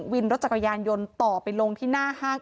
วินรถจักรยานยนต์ต่อไปลงที่หน้าห้าง